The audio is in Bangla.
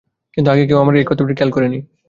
কিন্তু আগে কেউ আমার এই ব্যাপারটি খেয়াল করেনি।